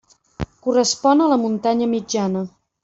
Correspon a la muntanya mitjana.